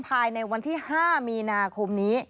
ภายในวันที่๕มีนาคมนี้